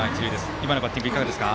今のバッティングいかがですか？